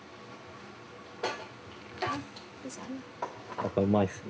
やっぱうまいですね。